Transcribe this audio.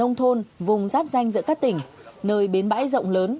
nông thôn vùng giáp danh giữa các tỉnh nơi bến bãi rộng lớn